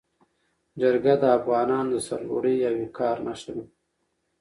جرګه د افغانانو د سرلوړۍ او وقار نښه ده.